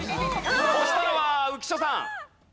押したのは浮所さん。